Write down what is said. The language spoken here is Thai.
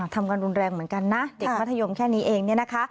ทำการรุนแรงเหมือนกันนะเด็กมัธยมแค่นี้เอง